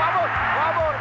フォアボール。